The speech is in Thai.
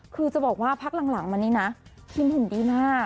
คือจะบอกว่าพักหลังมานี้นะคิมหุ่นดีมาก